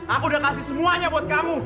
aku udah kasih semuanya buat kamu